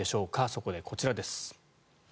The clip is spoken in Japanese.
そこでこちらです。